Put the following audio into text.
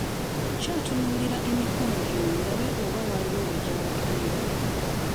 Nkyatunuulira emikono gino ndabe oba waliwo we gyawukanira.